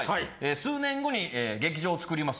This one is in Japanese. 数年後に劇場を作ります。